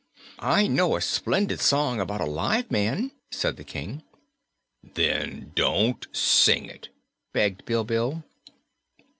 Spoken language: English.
"I know a splendid song about a live man, said the King. "Then don't sing it," begged Bilbil.